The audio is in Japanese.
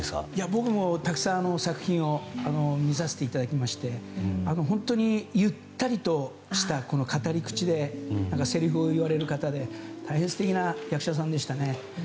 僕もたくさん作品を見させていただきまして本当にゆったりとした語り口でせりふを言われる方で大変素敵な役者さんでしたね。